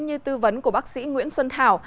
như tư vấn của bác sĩ nguyễn xuân thảo